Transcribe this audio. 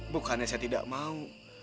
bukannya saya tidak mau